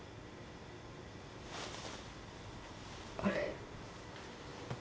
あれ？